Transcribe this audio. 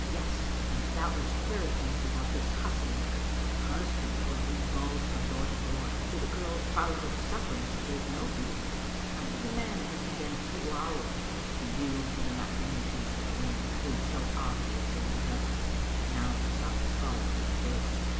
Yes, and doubtless queerer things about this hussy and her " husband" were being bawled from door to door. To the girl's probable sufferings he gave no heed. What kind of man had he been a few hours ago to yield to the machinations of a woman who was so obviously the devil? Now he saw his folly in the face.